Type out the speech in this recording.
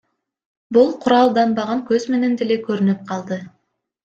Бул куралданбаган көз менен деле көрүнүп калды.